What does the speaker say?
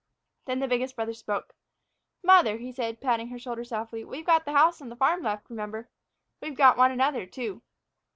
Then the biggest brother spoke. "Mother," he said, patting her shoulder softly, "we've got the house and the farm left, remember. We've got one another, too."